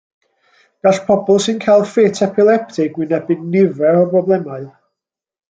Gall pobl sy'n cael ffit epileptig wynebu nifer o broblemau.